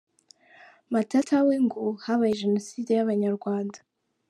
Matata we ngo habaye Jenoside y’Abanyarwanda